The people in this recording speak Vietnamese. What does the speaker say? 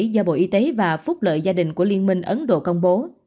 do bộ y tế và phúc lợi gia đình của liên minh ấn độ công bố